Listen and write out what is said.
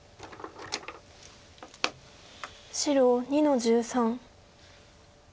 白２の十三。